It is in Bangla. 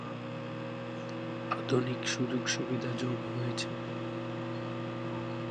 আধুনিক সুযোগ-সুবিধা যোগ হয়েছে।